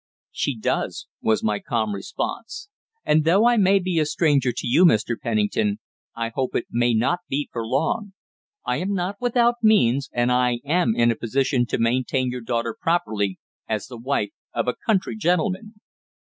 "She does," was my calm response. "And though I may be a stranger to you, Mr. Pennington, I hope it may not be for long. I am not without means, and I am in a position to maintain your daughter properly, as the wife of a country gentleman."